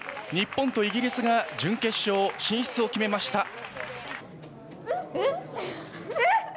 日本とイギリスが準決勝進出を決めました。